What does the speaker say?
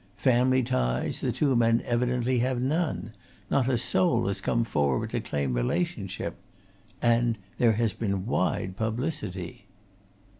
Family ties, the two men evidently have none! not a soul has come forward to claim relationship. And there has been wide publicity."